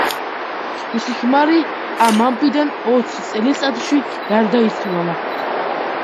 მისი ქმარი ამ ამბიდან ოც წელიწადში გარდაიცვალა.